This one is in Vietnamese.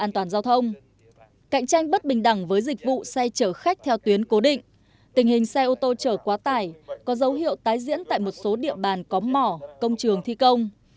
tình hình xe ô tô chở quá tải có dấu hiệu tái diễn tại một số địa bàn có mỏ công trường thi công